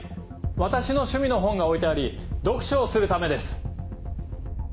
私の趣味の本が置いてあり読書をするためです。